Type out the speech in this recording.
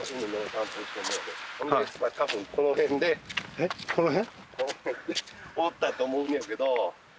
えっこの辺？